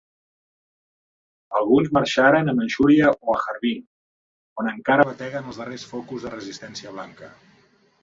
Alguns marxaran a Manxúria o Harbin on encara bateguen els darrers focus de resistència blanca.